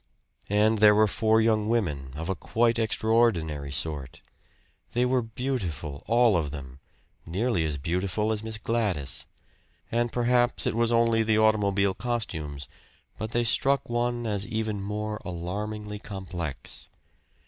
And there were four young women, of a quite extraordinary sort. They were beautiful, all of them nearly as beautiful as Miss Gladys; and perhaps it was only the automobile costumes, but they struck one as even more alarmingly complex.